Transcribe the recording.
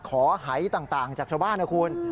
หายต่างจากชาวบ้านนะคุณ